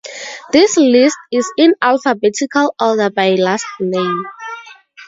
This list is in alphabetical order by last name.